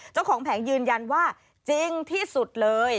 เจ้าของแผงยืนยันว่าจริงที่สุดเลย